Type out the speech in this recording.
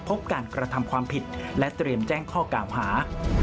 พบการกระทำความผิดและเตรียมแจ้งข้อกล่าวหา